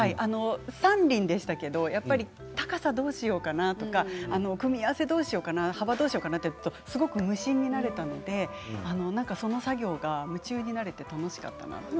３輪だけでも高さをどうしようかなとか組み合わせをどうしようかな幅をどうしようかなと無心になれたのでその作業が無心になれて楽しかったなって。